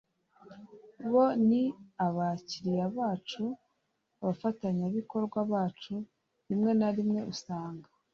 bo ni abakiriya bacu abafatanyabikorwa bacu rimwe na rimwe usanga